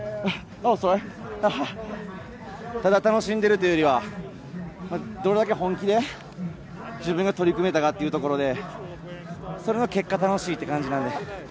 ただ楽しんでいるというよりはどれだけ本気で、自分が取り組めたかというところでそれが結果、楽しいという感じなので。